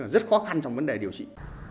rất khó khăn trong vấn đề điều trị